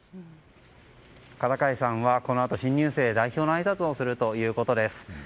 片貝さんはこのあと新入生代表のあいさつをするということです。